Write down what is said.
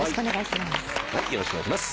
よろしくお願いします。